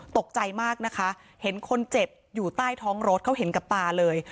ตกใจมากนะคะเห็นคนเจ็บอยู่ใต้ท้องรถเขาเห็นกับตาเลย